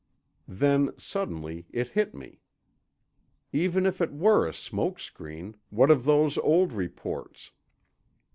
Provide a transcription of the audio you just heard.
Then suddenly it hit me. Even if it were a smoke screen, what of those old reports?